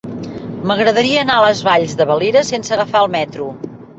M'agradaria anar a les Valls de Valira sense agafar el metro.